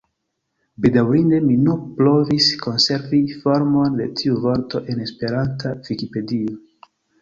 Bedaurinde mi nur provis konservi formon de tiu vorto en esperanta Vikipedio.